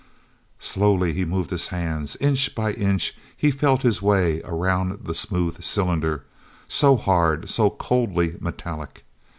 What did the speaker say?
Slowly he moved his hands. Inch by inch he felt his way around the smooth cylinder, so hard, so coldly metallic.